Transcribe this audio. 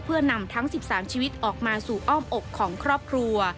เพื่อนำทั้ง๑๓ชีวิตออกมาสู่อ้อมอกของครอบครัว